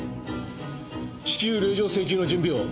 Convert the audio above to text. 至急令状請求の準備を。